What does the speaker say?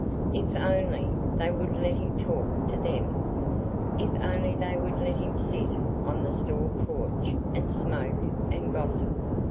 If only they would let him talk to them. If only they would let him sit on the store porch and smoke and gossip.